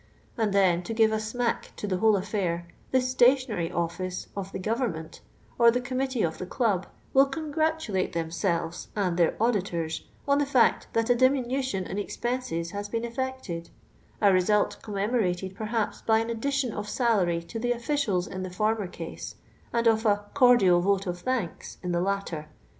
And then, to give a smack to the whole aflSiir, the 'Stationery Office' of the Go vernment, or the committee of the club, will congratulate themselves and their auditors on the fact that a diminution in expenses has been effected; a result commemorated perhaps by an addition of salary to the officials in the former case, and of a 'cordial vote of thanks' in the latter.